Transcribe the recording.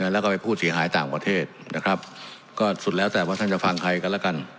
แล้วก็ไปพูดเสียหายต่างประเทศนะครับก็สุดแล้วแต่ว่าท่านจะฟังใครกันแล้วกัน